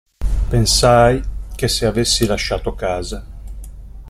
Pensai che se avessi lasciato casa.